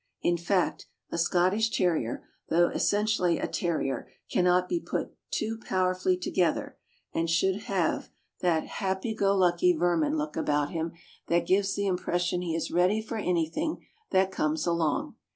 In fact, a Scottish Terrier, though essentially a Terrier, can not be put too powerfully together, and should have that happy 470 THE AMERICAN BOOK OF THE DOG. go lucky vermin look about him that gives the impression he is ready for anything that comes along.